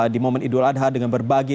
di momen idul adha dengan berbagi